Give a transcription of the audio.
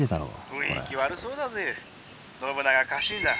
「雰囲気悪そうだぜ信長家臣団」。